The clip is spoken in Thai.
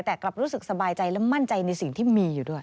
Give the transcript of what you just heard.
แต่กลับรู้สึกสบายใจและมั่นใจในสิ่งที่มีอยู่ด้วย